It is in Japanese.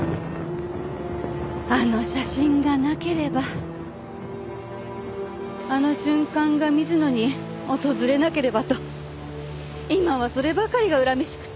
あの写真がなければあの瞬間が水野に訪れなければと今はそればかりが恨めしくって。